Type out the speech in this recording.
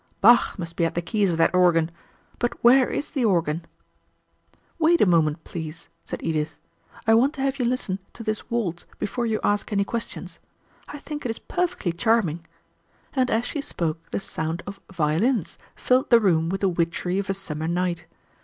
"Bach must be at the keys of that organ; but where is the organ?" "Wait a moment, please," said Edith; "I want to have you listen to this waltz before you ask any questions. I think it is perfectly charming"; and as she spoke the sound of violins filled the room with the witchery of a summer night.